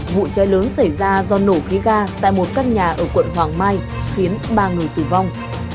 vụ cháy lớn xảy ra do nổ khí ga tại một căn nhà ở quận hoàng mai khiến ba người tử vong